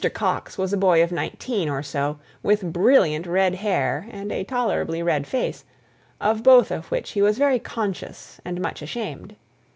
Coxe was a boy of nineteen or so, with brilliant red hair, and a tolerably red face, of both of which he was very conscious and much ashamed.